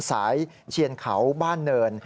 เชียนเขาบ้านเนิน